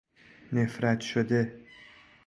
نفرت شده